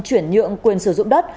chuyển nhượng quyền sử dụng đất